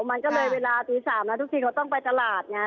มันก็เลยเวลาตี๓แล้วทุกทีเขาต้องไปตลาดไง